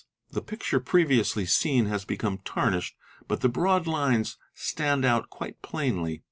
The picture e eviously seen has become tarnished, but the broad lines stand out quite p jlainly.